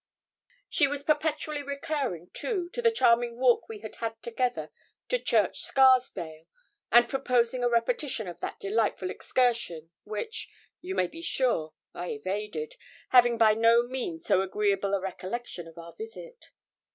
She was perpetually recurring, too, to the charming walk we had had together to Church Scarsdale, and proposing a repetition of that delightful excursion, which, you may be sure, I evaded, having by no means so agreeable a recollection of our visit.